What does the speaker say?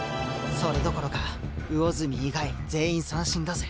それどころか魚住以外全員三振だぜ。